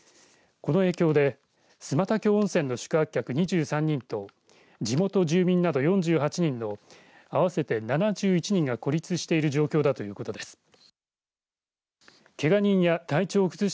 この影響で寸又峡温泉の宿泊客２３人と地元住民など４８人の合わせて７１人が孤立している状況だということです。